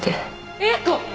英子！